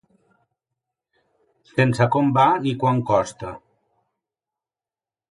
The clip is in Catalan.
Sense com va ni quant costa.